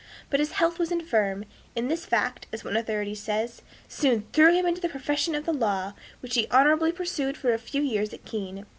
But his health was infirm, and this fact, as one authority says, "soon threw him into the profession of the law, which he honorably pursued for a few years at Keene."